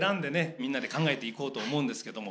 みんなで考えていこうと思うんですけども。